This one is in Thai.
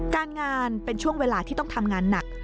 การงานเป็นช่วงเวลาที่ต้องทำงานหนัก